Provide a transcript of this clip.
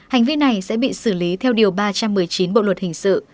hành vi này sẽ bị xử lý theo điều ba trăm một mươi chín bộ luật hình sự